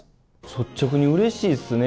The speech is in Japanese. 率直に、うれしいっすね。